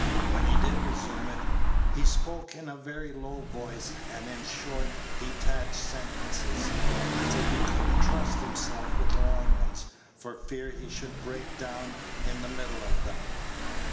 When he did resume it, he spoke in a very low voice, and in short, detached sentences, as if he could n't trust himself with long ones, for fear he should break down in the middle of them.